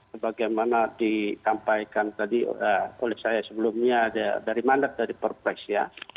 sebagaimana disampaikan tadi oleh saya sebelumnya dari mandat dari perpres ya